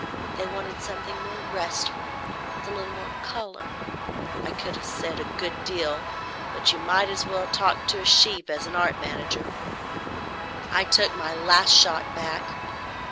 They wanted something more restful, with a little more colour. I could have said a good deal, but you might as well talk to a sheep as an art manager. I took my "Last Shot" back.